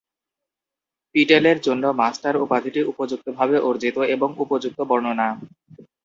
পিটেলের জন্য, "মাস্টার" উপাধিটি উপযুক্তভাবে অর্জিত এবং উপযুক্ত বর্ণনা।